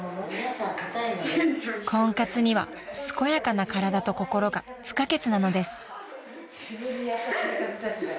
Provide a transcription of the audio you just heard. ［婚活には健やかな体と心が不可欠なのです］